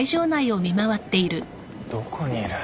どこにいる？